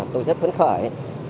tôi rất phấn khởi